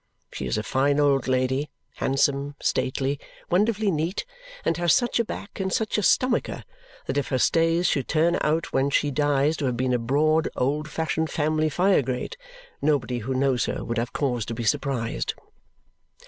She is a fine old lady, handsome, stately, wonderfully neat, and has such a back and such a stomacher that if her stays should turn out when she dies to have been a broad old fashioned family fire grate, nobody who knows her would have cause to be surprised.